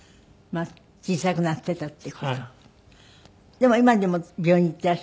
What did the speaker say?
でも今でも病院に行っていらっしゃるんでしょ？